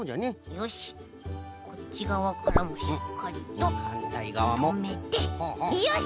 よしこっちがわからもしっかりととめてよし！